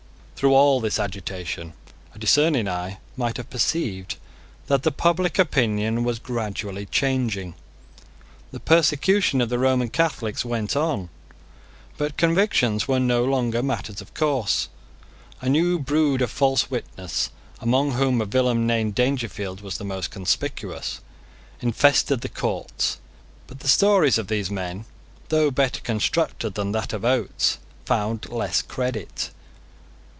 Through all this agitation a discerning eye might have perceived that the public opinion was gradually changing. The persecution of the Roman Catholics went on; but convictions were no longer matters of course. A new brood of false witnesses, among whom a villain named Dangerfield was the most conspicuous, infested the courts: but the stories of these men, though better constructed than that of Oates, found less credit.